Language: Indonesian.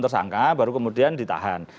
tersangka baru kemudian ditahan